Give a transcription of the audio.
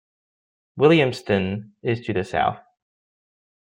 Williamston is to the south.